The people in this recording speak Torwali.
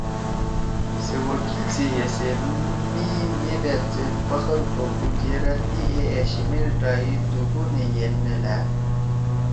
سے وکیل سی حیثیت می مے بأت زید فخر کؤدُود یرأ تی اے أشیِمیل ٹائی دُو گونے ید نے لھأد